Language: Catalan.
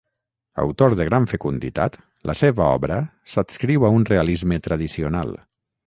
Autor de gran fecunditat, la seva obra s'adscriu a un realisme tradicional.